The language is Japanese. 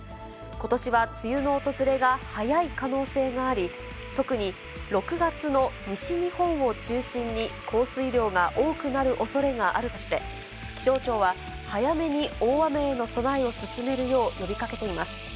ことしは梅雨の訪れが早い可能性があり、特に６月の西日本を中心に降水量が多くなるおそれがあるとして、気象庁は、早めに大雨への備えを進めるよう呼びかけています。